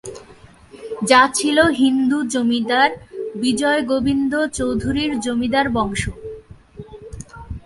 যা ছিল হিন্দু জমিদার বিজয় গোবিন্দ চৌধুরীর জমিদার বংশ।